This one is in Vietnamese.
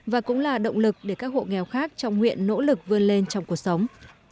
và cũng là động lực để các hộ nghèo khác trong huyện nỗ lực vươn lên trong cuộc sống